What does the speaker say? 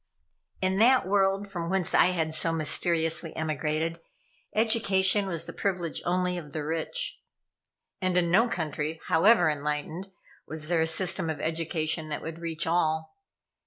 In that world, from whence I had so mysteriously emigrated, education was the privilege only of the rich. And in no country, however enlightened, was there a system of education that would reach all.